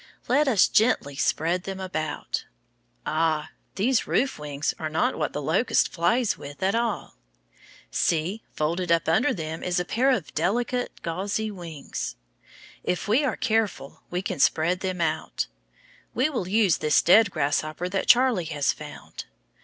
Let us gently spread them out. Ah! these roof wings are not what the locust flies with at all. See, folded up under them is a pair of delicate gauzy wings. If we are careful, we can spread them out. We will use this dead grasshopper that Charlie has found.